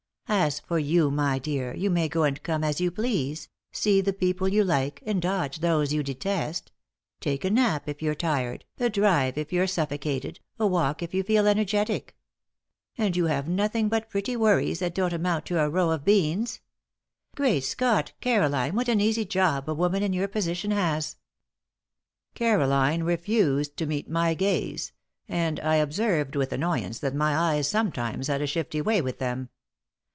As for you, my dear, you may go and come as you please, see the people you like, and dodge those you detest; take a nap if you're tired, a drive if you're suffocated, a walk if you feel energetic. And you have nothing but petty worries that don't amount to a row of beans. Great Scott! Caroline, what an easy job a woman in your position has!" Caroline refused to meet my gaze, and I observed with annoyance that my eyes sometimes had a shifty way with them.